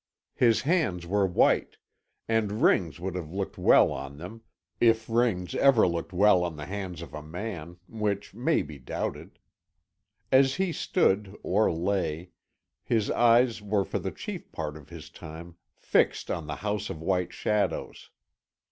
His hands were white, and rings would have looked well on them, if rings ever looked well on the hands of a man which may be doubted. As he stood, or lay, his eyes were for the chief part of his time fixed on the House of White Shadows.